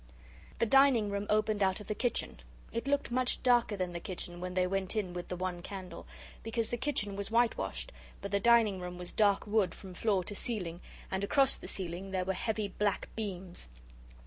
The dining room opened out of the kitchen. It looked much darker than the kitchen when they went in with the one candle. Because the kitchen was whitewashed, but the dining room was dark wood from floor to ceiling, and across the ceiling there were heavy black beams.